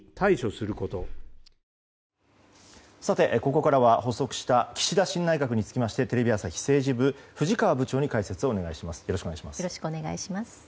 ここからは発足した岸田新内閣につきましてテレビ朝日政治部、藤川部長に解説をお願いします。